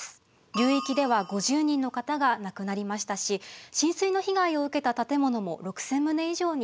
流域では５０人の方が亡くなりましたし浸水の被害を受けた建物も６０００棟以上に上りました。